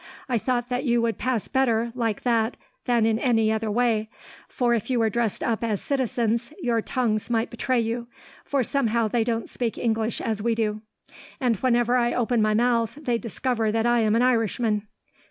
I thought that you would pass better, like that, than in any other way; for if you were dressed up as citizens, your tongues might betray you, for somehow they don't speak English as we do; and whenever I open my mouth, they discover that I am an Irishman."